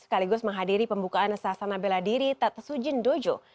sekaligus menghadiri pembukaan sasana beladiri tatsuji dojo